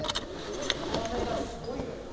あの見た目がすごいよな。